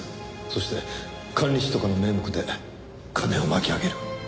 そして管理費とかの名目で金を巻き上げる。